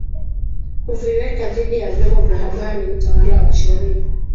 kuviweka dhidi ya vyombo vya habari utawala wa sheria